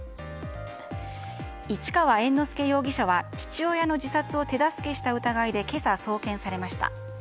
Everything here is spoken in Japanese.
市川猿之助容疑者は父親の自殺を手助けした疑いで今朝、送検されました。